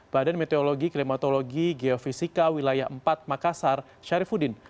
badan meteorologi klimatologi geofisika wilayah empat makassar syarifudin